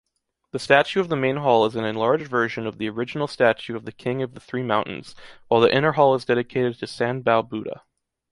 The statue of the main hall is an enlarged version of the original statue of the king of the three mountains, while the inner hall is dedicated to the Sanbao Buddha.